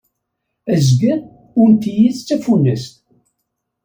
Azger unti-is d tafunast.